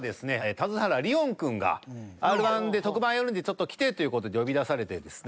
田津原理音くんがＲ−１で特番やるんでちょっと来てという事で呼び出されてですね